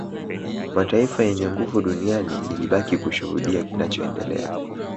Mataifa yenye nguvu duniani yalibaki kushuhudia kinachoendelea